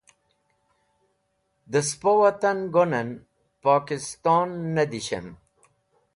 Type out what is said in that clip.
Dẽ spo watan go’nen, Pokiston ne dishem.